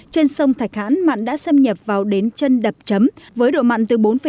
trên sông thạch hãn mặn đã xâm nhập vào đến chân đập chấm với độ mặn từ bốn ba đến năm sáu phần nghìn